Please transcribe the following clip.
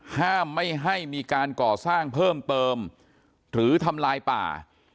ห้ามไม่ให้มีการก่อสร้างเพิ่มเติมหรือทำลายป่า